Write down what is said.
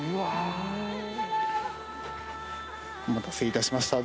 お待たせいたしました。